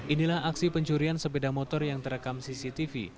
inilah aksi pencurian sepeda motor yang terekam cctv